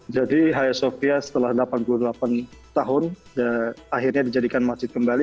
jadi hayya sofia setelah delapan puluh delapan tahun akhirnya dijadikan masjid kembali